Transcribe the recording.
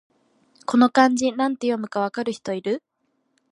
この漢字、なんて読むか分かる人いる？